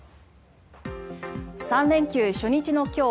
３連休初日の今日